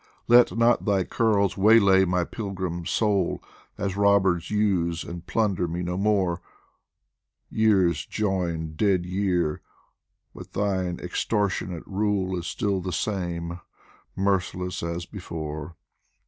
Let not thy curls waylay my pilgrim soul, As robbers use, and plunder me no more ! Years join dead year, but thine extortionate rule Is still the same, merciless as before.